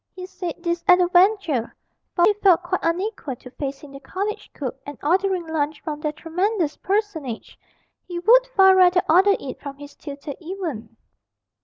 He said this at a venture, for he felt quite unequal to facing the college cook and ordering lunch from that tremendous personage he would far rather order it from his tutor even.